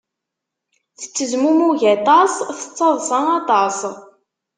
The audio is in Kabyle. Tettezmumug aṭas, tettaḍsa aṭas.